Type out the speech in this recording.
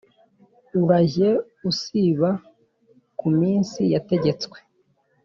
Urajye usiba ku minsi yategetswe.